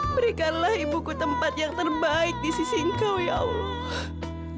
berikanlah ibuku tempat yang terbaik di sisi engkau ya allah